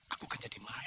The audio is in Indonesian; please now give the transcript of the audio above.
aku kan jadi manis